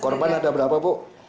korban ada berapa bu